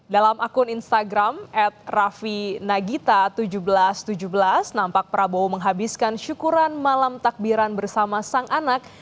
dalam akun instagram at raffi nagita seribu tujuh ratus tujuh belas nampak prabowo menghabiskan syukuran malam takbiran bersama sang anak